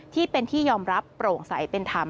ที่เป็นที่ยอมรับโปร่งใสเป็นธรรม